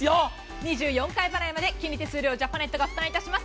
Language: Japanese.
２４回払いまで金利手数料ジャパネットが負担します。